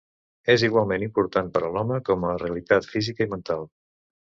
És igualment important per a l'home com a realitat física i mental.